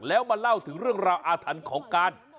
แล้วมาเล่าถึงเรื่องราวอาถรรพ์ของการ